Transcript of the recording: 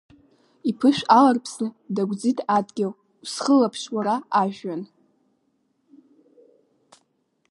Иԥышә аларԥсны дагәӡит адгьыл, усхылаԥш, уара ажәҩан!